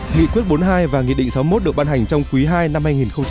nghị quyết bốn mươi hai và nghị định sáu mươi một được ban hành trong quý ii năm hai nghìn hai mươi